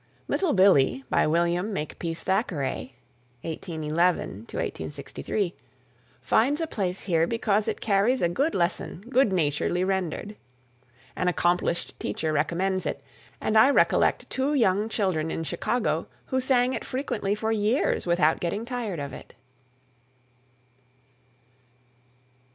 "Little Billee," by William Makepeace Thackeray (1811 63), finds a place here because it carries a good lesson good naturedly rendered. An accomplished teacher recommends it, and I recollect two young children in Chicago who sang it frequently for years without getting tired of it.